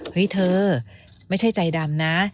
เฮ้ยเธอไม่ใช่ใจดำนะ